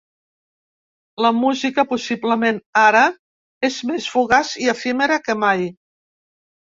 La música possiblement ara és més fugaç i efímera que mai.